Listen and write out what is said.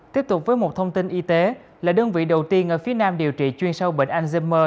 tiếp tục với một thông tin y tế là đơn vị đầu tiên ở phía nam điều trị chuyên sâu bệnh alzheimer